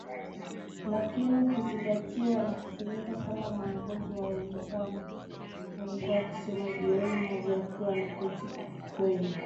lakini kuzingatiwa na kutumika kama mwongozo wa uwezekano" alikuwa akisema jioni moja akiwa ameketi kwenye